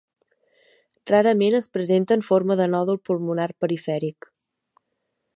Rarament es presenta en forma de nòdul pulmonar perifèric.